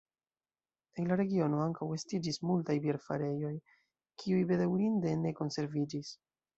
En la regiono ankaŭ estiĝis multaj bierfarejoj, kiuj bedaŭrinde ne konserviĝis.